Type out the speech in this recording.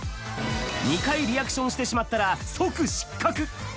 ２回リアクションしてしまったら即失格。